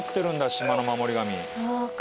島の守り神。